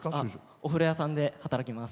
お風呂屋さんで働きます。